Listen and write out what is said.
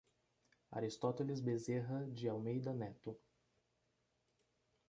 Aristoteles Bezerra de Almeida Neto